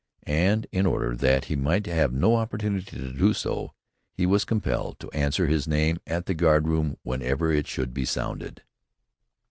And in order that he might have no opportunity to do so, he was compelled to answer his name at the guard room whenever it should be sounded.